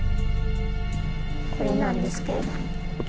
これなんですけれども。